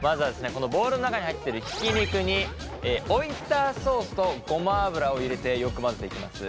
このボウルの中に入ってるひき肉にオイスターソースとごま油を入れてよく混ぜていきます。